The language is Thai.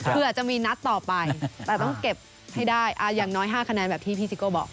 เพื่อจะมีนัดต่อไปแต่ต้องเก็บให้ได้อย่างน้อย๕คะแนนแบบที่พี่ซิโก้บอก